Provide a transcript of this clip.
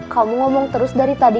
kamu ngomong terus dari tadi